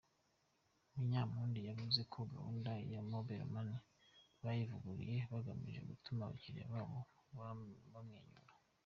Munyampundu yavuze ko gahundu ya Mobile Money bayivuguruye bagamije gutuma abakiriya babo bamwenyura.